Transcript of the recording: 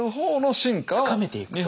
深めていくと。